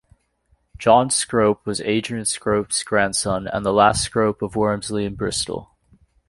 John Scrope was Adrian Scrope's grandson and the last Scrope of Wormsley and Bristol.